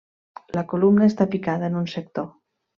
La columna està picada en un sector.